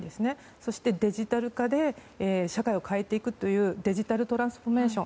そしてデジタル化で社会を変えていくデジタル・トランスフォーメーション